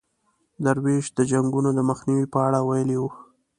درویش د جنګونو د مخنیوي په اړه ویلي وو.